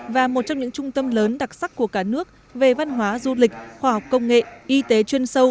và một trong những trung tâm lớn đặc sắc của cả nước về văn hóa du lịch khoa học công nghệ y tế chuyên sâu